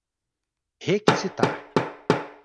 requisitar